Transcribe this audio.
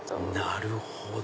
なるほど！